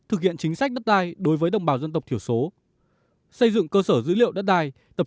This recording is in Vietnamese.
thực hiện chính sách đất đai đối với đồng bào dân tộc thiểu số xây dựng cơ sở dữ liệu đất đai tập